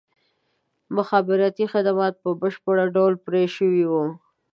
مخابراتي خدمات په بشپړ ډول پرې شوي وو.